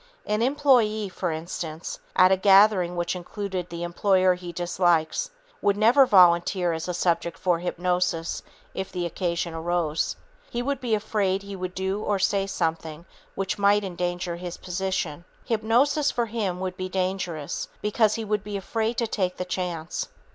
An employee, for instance, at a gathering which included the employer he dislikes, would never volunteer as a subject for hypnosis if the occasion arose. He would be afraid he would do or say something which might endanger his position. Hypnosis for him would be "dangerous" because he would be afraid to take the chance.